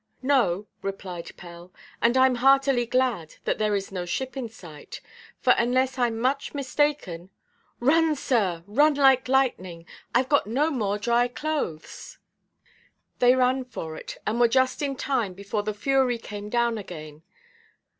"No," replied Pell, "and Iʼm heartily glad that there is no ship in sight; for, unless Iʼm much mistaken—run, sir, run like lightning. Iʼve got no more dry clothes." They ran for it, and were just in time before the fury came down again.